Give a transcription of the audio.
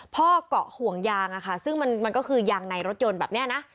เกาะห่วงยางซึ่งมันก็คือยางในรถยนต์แบบนี้นะ